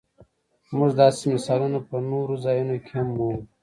موږ داسې مثالونه په نورو ځایونو کې هم مومو.